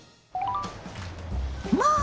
まあ！